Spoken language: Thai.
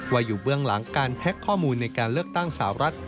อยู่เบื้องหลังการแพ็คข้อมูลในการเลือกตั้งสาวรัฐ